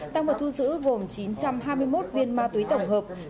tăng vật thu giữ gồm chín trăm hai mươi một viên ma túy tổng hợp